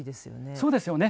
そうですよね。